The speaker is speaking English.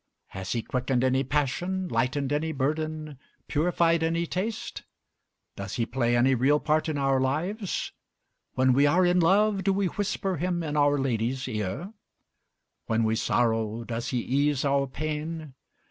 Has he quickened any passion, lightened any burden, purified any taste? Does he play any real part in our lives? When we are in love, do we whisper him in our lady's ear? When we sorrow, does he ease our pain?